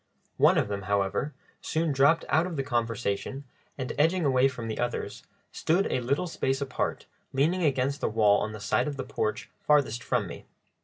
One of them, however, soon dropped out of the conversation, and, edging away from the others, stood a little space apart, leaning against the wall on the side of the porch farthest from me.